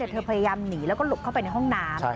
เธอพยายามหนีแล้วก็หลบเข้าไปในห้องน้ำ